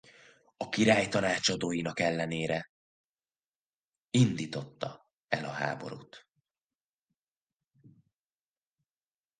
A király tanácsadóinak ellenére indította el a háborút.